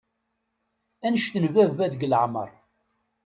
Annect n baba deg leεmer.